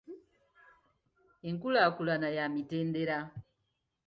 Enkulaakulana ya mitendera.